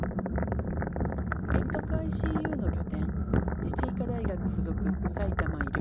遠隔ＩＣＵの拠点、自治医科大学付属さいたま医療